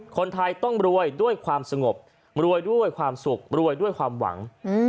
คนไทยต้องรวยด้วยความสงบรวยด้วยความสุขรวยด้วยความหวัง